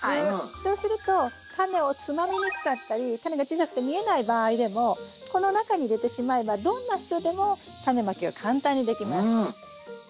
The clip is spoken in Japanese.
そうするとタネをつまみにくかったりタネが小さくて見えない場合でもこの中に入れてしまえばどんな人でもタネまきが簡単にできます。